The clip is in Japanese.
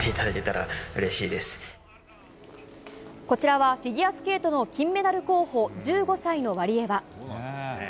こちらはフィギュアスケートの金メダル候補、１５歳のワリエワ。